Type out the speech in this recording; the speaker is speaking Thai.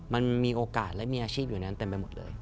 มันมีโอกาสและมีอาชีพอยู่ในนั้นเต็มไปหมดเลย